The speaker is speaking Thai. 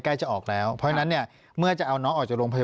ปากกับภาคภูมิ